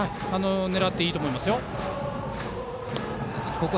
狙っていいと思いますよ。